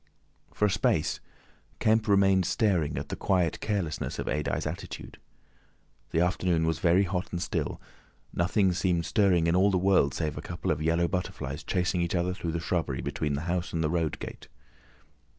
For a space Kemp remained staring at the quiet carelessness of Adye's attitude. The afternoon was very hot and still, nothing seemed stirring in all the world save a couple of yellow butterflies chasing each other through the shrubbery between the house and the road gate.